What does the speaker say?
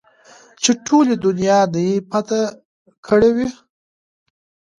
چې ټولې دونيا نه يې پټه کړې وه.